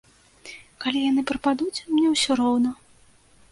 Калі яны прападуць, мне ўсё роўна.